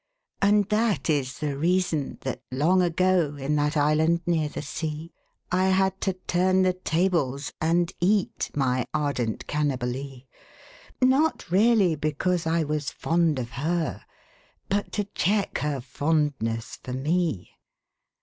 And that is the reason that long ago. In that island near the sea, I had to turn the tables and eat My ardent Cannibalee — Not really because I was fond of her, But to check her fondness for me.